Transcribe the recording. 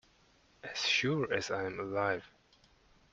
As sure as I am alive.